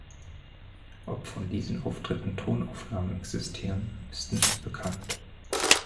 Ob von diesen Auftritten Tonaufnahmen existieren, ist nicht bekannt.